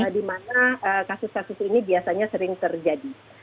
di mana kasus kasus ini biasanya sering terjadi